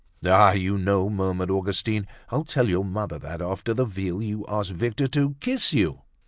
"Ah! you know," murmured Augustine, "I'll tell your mother that after the veal you asked Victor to kiss you."